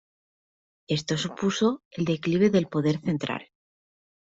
Esto supuso el declive del poder central.